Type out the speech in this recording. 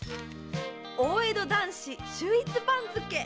「大江戸男子秀逸番付」！